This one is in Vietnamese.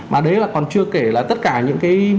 mà đấy là còn chưa kể là tất cả những cái